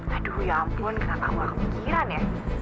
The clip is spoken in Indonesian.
aduh ya ampun kenapa aku gak kepikiran ya